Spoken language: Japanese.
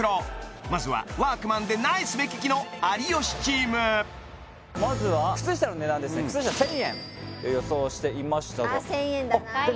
まずはワークマンでナイス目利きのまずは靴下の値段ですね靴下１０００円と予想していましたがあっ